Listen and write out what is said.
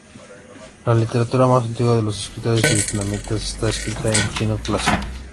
La literatura más antigua de los escritores vietnamitas está escrita en Chino Clásico.